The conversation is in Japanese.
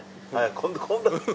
今度。